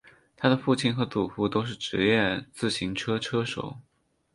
他的父亲和祖父都是职业自行车车手。